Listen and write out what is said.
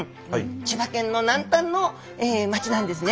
千葉県の南端の町なんですね。